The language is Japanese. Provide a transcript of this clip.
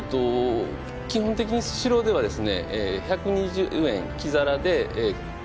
基本的にスシローではですね